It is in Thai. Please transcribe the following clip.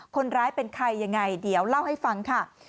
คนร้ายเป็นใครยังไงเดี๋ยวเล่าให้ฟังค่ะ